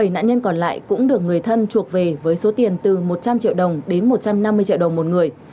bảy nạn nhân còn lại cũng được người thân chuộc về với số tiền từ một trăm linh triệu đồng đến một trăm năm mươi triệu đồng một người